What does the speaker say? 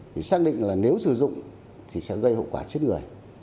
thì xác định là nếu sử dụng thì sẽ gây hậu quả chết người